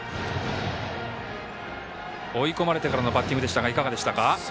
追い込まれてからのバッティングでしたがいかがでしたか？